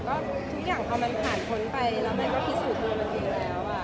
ก็ทุกอย่างพอมันผ่านพ้นไปแล้วมันก็พิสูจน์ตัวมันดีแล้ว